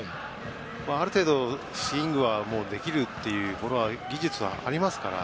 ある程度、スイングはできる技術はありますから。